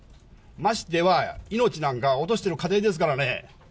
ましてや命なんか落としてる家庭ですからね。